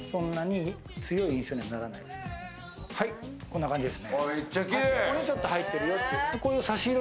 こんな感じですね。